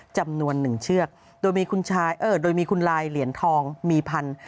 จำนวนหนึ่งเชือกโดยมีคุณลายเหรียญทองมีพันธุ์